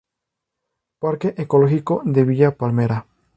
Parque Ecológico de Villa Palmera.